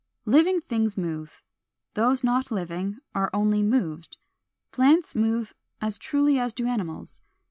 459. Living things move; those not living are only moved. Plants move as truly as do animals.